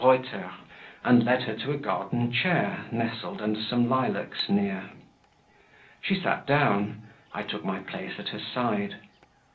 Reuter, and led her to a garden chair, nestled under some lilacs near. She sat down; I took my place at her side.